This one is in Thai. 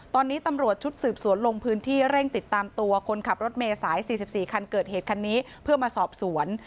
ตอนนี้ตำรวจชุดสืบสวนลงพื้นที่เร่งติดตามตัวคนขับรถเมย์สาย๔๔คันเกิดเหตุคันนี้เพื่อมาสอบสวน